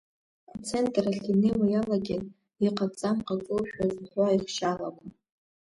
Ацентр ахь инеиуа иалагеит иҟаҵам ҟаҵоушәа зҳәо аихшьаалақәа.